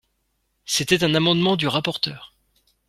C’était un amendement du rapporteur.